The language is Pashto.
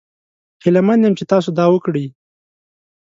هیله من یم چې تاسو دا وکړي.